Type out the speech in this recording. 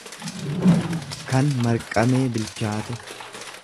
kan marqamee bilchaate.